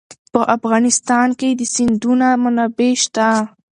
په افغانستان کې د سیندونه منابع شته.